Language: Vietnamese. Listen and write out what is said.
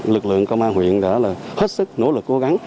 lực lượng công an huyện đã hết sức nỗ lực cố gắng